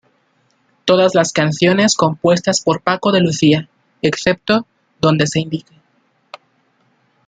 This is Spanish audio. Todas las canciones compuestas por Paco de Lucía excepto donde se indique.